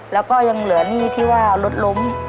แล้วก็ยังเหลือหนี้ที่ว่ารถล้ม